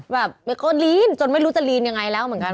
แบบเบโก้ลีนจนไม่รู้จะลีนยังไงแล้วเหมือนกัน